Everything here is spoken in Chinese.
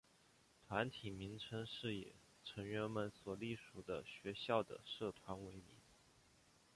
团体名称是以成员们所隶属的学校的社团为名。